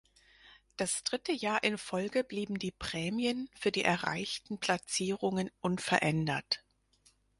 Das dritte Jahr in Folge blieben die Prämien für die erreichten Platzierungen unverändert.